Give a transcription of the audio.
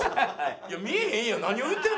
いや見えへんやん！